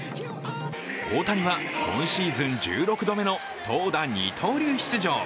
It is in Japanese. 大谷は今シーズン１６度目の投打二刀流出場。